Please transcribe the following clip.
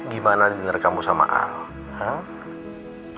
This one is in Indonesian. gimana dinner kamu sama al